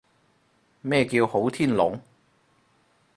咩叫好天龍？